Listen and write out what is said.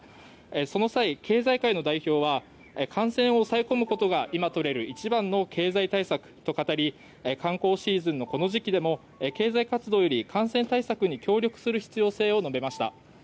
その際、経済界の代表は感染を抑え込むことが、今とれる一番の経済対策と語り観光シーズンのこの時期でも経済活動より感染対策に協力する必要性を述べました。